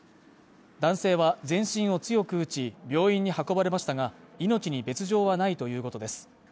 男性は全身を強く打ち病院に運ばれましたが命に別状はないということです。